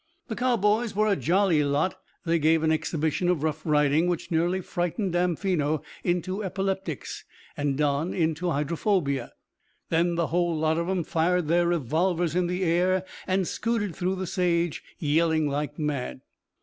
The cowboys were a jolly lot. They gave an exhibition of rough riding which nearly frightened Damfino into epileptics and Don into hydrophobia. Then the whole lot of 'em fired their revolvers in the air and skooted through the sage, yelling like mad.